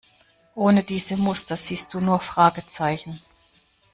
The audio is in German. Ohne diese Muster siehst du nur Fragezeichen.